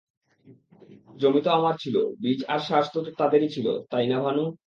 জমি আমার ছিলো, বীজ আর সার তো তাদের-ই ছিলো, তাই না ভানু!